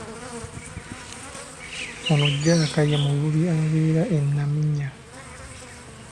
Ono Jaaka ye muvubi abeera e Naminya.